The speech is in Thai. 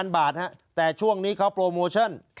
บาทแต่ช่วงนี้เขาโปรโมชั่น